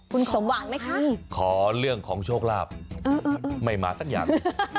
คุณสมหวังไหมคะขอเรื่องของโชคลาภไม่มาสักอย่าง